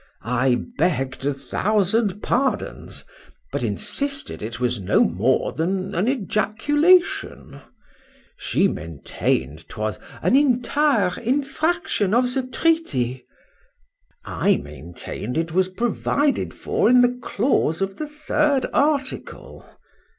—I begg'd a thousand pardons—but insisted it was no more than an ejaculation. She maintained 'twas an entire infraction of the treaty—I maintain'd it was provided for in the clause of the third article.